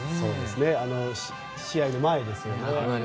試合の前ですよね。